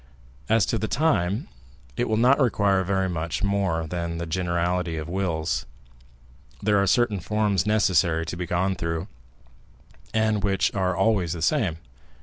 As to the time, it will not require very much more than the generality of wills. There are certain forms necessary to be gone through, and which are always the same.